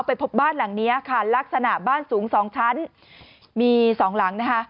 พบบ้านหลังเนี้ยค่ะลักษณะบ้านสูงสองชั้นมีสองหลังนะคะ